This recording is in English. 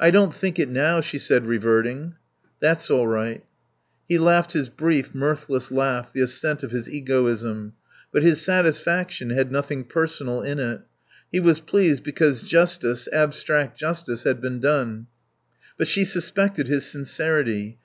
"I don't think it now," she said, reverting. "That's all right." He laughed his brief, mirthless laugh, the assent of his egoism. But his satisfaction had nothing personal in it. He was pleased because justice, abstract justice, had been done. But she suspected his sincerity.